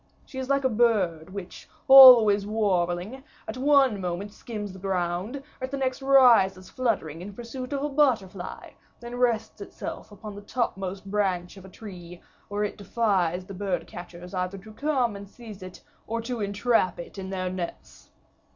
She is like a bird, which, always warbling, at one moment skims the ground, at the next rises fluttering in pursuit of a butterfly, then rests itself upon the topmost branch of a tree, where it defies the bird catchers either to come and seize it or to entrap it in their nets."